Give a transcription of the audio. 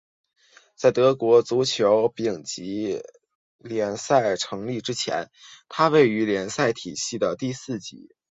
在德国足球丙级联赛成立之前它位于联赛体系的第四级。